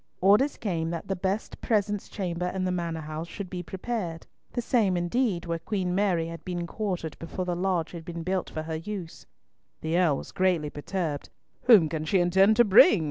Orders came that the best presence chamber in the Manor house should be prepared, the same indeed where Queen Mary had been quartered before the lodge had been built for her use. The Earl was greatly perturbed. "Whom can she intend to bring?"